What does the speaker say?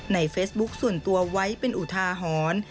เฟซบุ๊คส่วนตัวไว้เป็นอุทาหรณ์